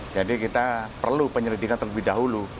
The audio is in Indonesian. jadi kita perlu penyelidikan terlebih dahulu